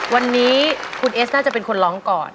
วันนี้คุณเอสน่าจะเป็นคนร้องก่อน